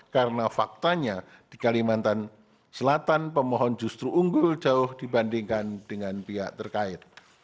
karena faktanya di kalimantan selatan pemohon justru unggul jauh dibandingkan dengan pihak terkait